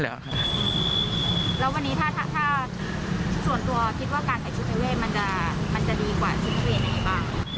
แล้ววันนี้ถ้าส่วนตัวคิดว่าการใส่ชุดปลายเวทมันจะดีกว่าชุดปลายเวทไหนบ้าง